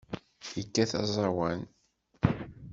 Yekkat aẓawan.